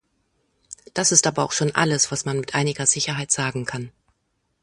Das ist aber auch schon alles, was man mit einiger Sicherheit sagen kann.